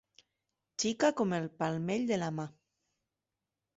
Xica com el palmell de la mà